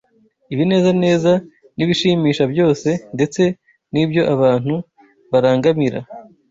ibinezeza n’ibishimisha byose, ndetse n’ibyo abantu barangamira.